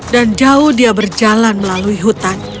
dan jauh dia berjalan melalui hutan